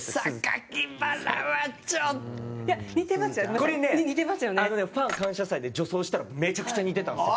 これね、あのねファン感謝祭で女装したらめちゃくちゃ似てたんですよ。